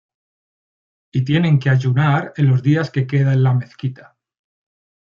Y tienen que ayunar en los días que queda en la mezquita.